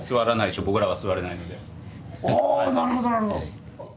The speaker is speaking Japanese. あなるほどなるほど。